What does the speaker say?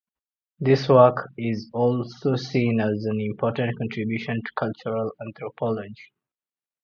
This work is also seen as an important contribution to cultural anthropology.